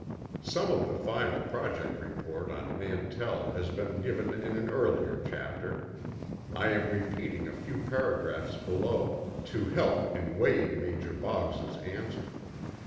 (Some of the final Project report on Mantell has been given in an earlier chapter. I am repeating a few paragraphs below, to help in weighing Major Boggs's answer.)